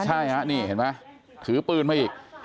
ใช่ฮะนี่เห็นไหมถือปืนมาอีก